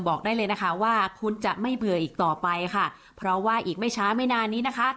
บอกได้เลยนะคะว่าคุณจะไม่เบื่ออีกต่อไปค่ะเพราะว่าอีกไม่ช้าไม่นานนี้นะคะ